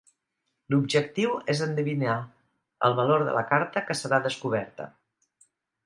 L'objectiu és endevinar el valor de la carta que serà descoberta.